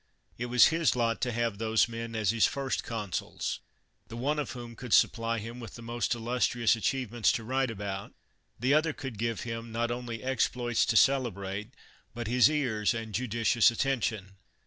It was his lot to have those men as his first consuls, the one of whom could supply him with the most illustrious achievements to write about, the other could give him, not only exploits to celebrate, but his ears and judicious attention.